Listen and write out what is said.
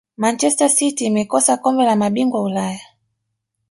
manchester city imekosa kombe la mabingwa ulaya